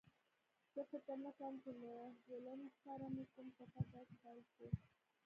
زه فکر نه کوم چې له هولمز سره مې کوم سفر داسې پیل شو